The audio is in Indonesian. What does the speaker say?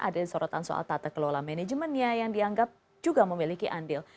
ada sorotan soal tata kelola manajemennya yang dianggap juga memiliki andil